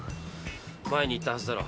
前に言ったはずだろ。